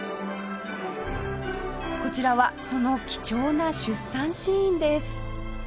こちらはその貴重な出産シーンです